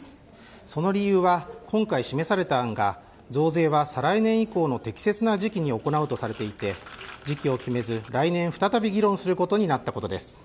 その理由は今回、示された案が増税は再来年以降の適切な時期に行うとされていて時期を決めず来年再び議論することになったことです。